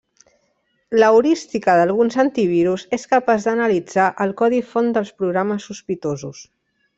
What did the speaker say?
L'heurística d'alguns antivirus és capaç d'analitzar el codi font dels programes sospitosos.